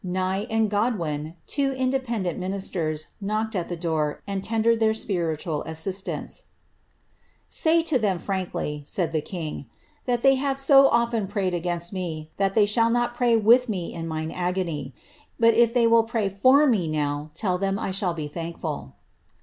Nye and Godwin, two independent minis ^d at the door, and tendered their spiritual assistance. them fmnkly," said the king, ^that they ha?e so often nst me, that they shall not pray with me in mine agony, will pray /or me now, tell them that I shall be thankful.''